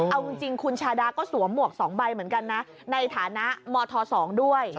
เอาจริงคุณชาดาก็สวมหมวก๒ใบเหมือนกันนะในฐานะมธ๒ด้วย